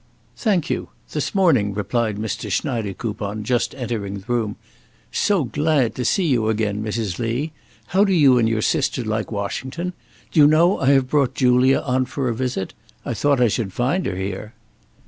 "Thank you; this morning," replied Mr. Schneidekoupon, just entering the room. "So glad to see you again, Mrs. Lee. How do you and your sister like Washington? Do you know I have brought Julia on for a visit? I thought I should find her here.